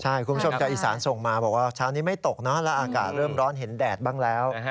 ใช่คุณผู้ชมจากอีสานส่งมาบอกว่าเช้านี้ไม่ตกเนอะแล้วอากาศเริ่มร้อนเห็นแดดบ้างแล้ว